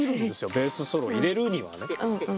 ベースソロ入れるにはね。